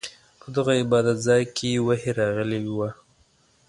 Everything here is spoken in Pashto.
په دغه عبادت ځاې کې وحې راغلې وه.